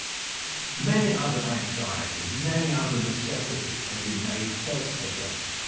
Many other anxieties, many other necessities had he made head against.